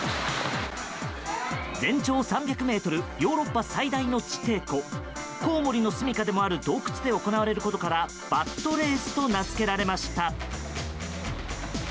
全長３００ｍヨーロッパ最大の地底湖コウモリのすみかでもある洞窟で行われることからバットレースと名づけられました。